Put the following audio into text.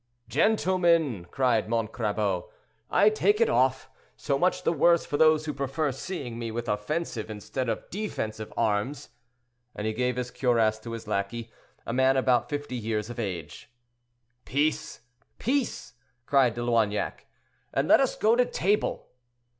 "Gentlemen," cried Montcrabeau, "I take it off; so much the worse for those who prefer seeing me with offensive instead of defensive arms;" and he gave his cuirass to his lackey, a man about fifty years of age. "Peace! peace!" cried De Loignac, "and let us go to table."